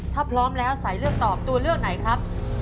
ถ้าพร้อมแล้วสายเลือกตอบตัวเลือกไหนครับ